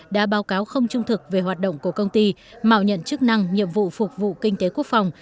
đã báo cáo không trung thực về hoạt động của công ty mạo nhận chức năng nhiệm vụ phục vụ kinh tế quốc phòng